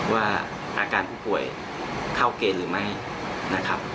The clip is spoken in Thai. ว่าอาการผู้ป่วยเข้าเกณฑ์หรือไม่นะครับ